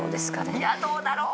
いやどうだろう？